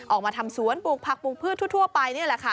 ออกมาทำสวนปลูกผักปลูกพืชทั่วไปนี่แหละค่ะ